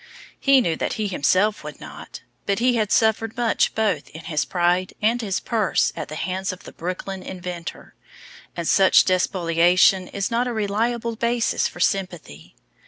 He knew that he himself would not. But he had suffered much both in his pride and his purse at the hands of the Brooklyn inventor; and such despoliation is not a reliable basis for sympathy.